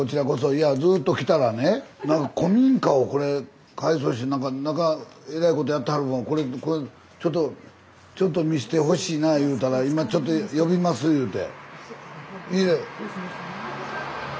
いやぁずっと来たらね何か古民家をこれ改装してえらいことやってはるのをこれちょっとちょっと見してほしいないうたら今ちょっと呼びますいうて。